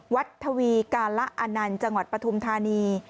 ทวีการละอนันต์จังหวัดปฐุมธานี